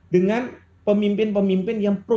dengan pemimpin pemimpin yang pro